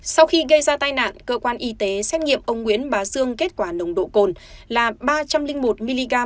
sau khi gây ra tai nạn cơ quan y tế xét nghiệm ông nguyễn bá dương kết quả nồng độ cồn là ba trăm linh một mg